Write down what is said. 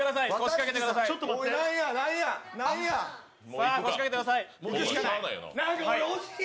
さあ、腰掛けてください。